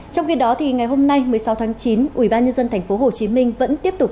trong khi đó ngày hôm nay một mươi sáu tháng chín ủy ban nhân dân tp hcm vẫn tiếp tục